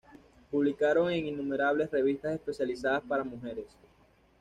Publicaron en innumerables revistas especializadas para mujeres.